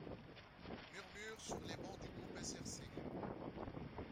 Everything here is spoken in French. Murmures sur les bancs du groupe SRC.